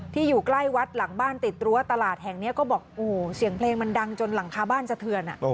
อยู่ใกล้วัดหลังบ้านติดรั้วตลาดแห่งนี้ก็บอกโอ้โหเสียงเพลงมันดังจนหลังคาบ้านสะเทือน